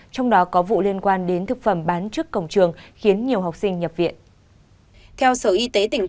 trong đó có vụ liên quan đến thực phẩm bán trước cổng trường khiến nhiều học sinh nhập viện